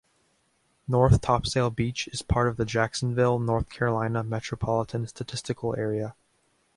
North Topsail Beach is part of the Jacksonville, North Carolina Metropolitan Statistical Area.